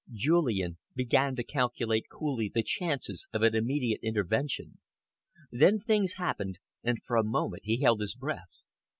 Julian began to calculate coolly the chances of an immediate intervention. Then things happened, and for a moment he held his breath.